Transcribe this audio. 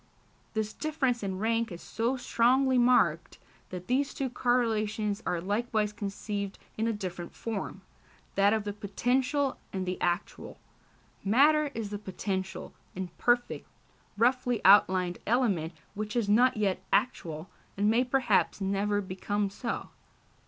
This difference in rank is so strongly marked, that these two correlations are likewise conceived in a different form that of the potential and the actual. Matter is the potential, imperfect, roughly outlined element which is not yet actual, and may perhaps never become so.